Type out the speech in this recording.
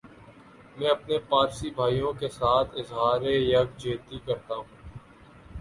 میں اپنے پارسی بھائیوں کیساتھ اظہار یک جہتی کرتا ھوں